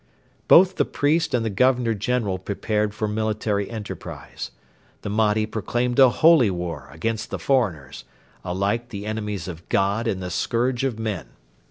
Both the priest and the Governor General prepared for military enterprise. The Mahdi proclaimed a holy war against the foreigners, alike the enemies of God and the scourge of men.